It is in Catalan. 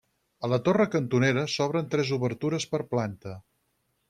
A la torre cantonera s'obren tres obertures per planta.